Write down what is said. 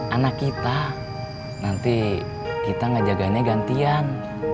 anak kita nanti kita ngejaganya gantian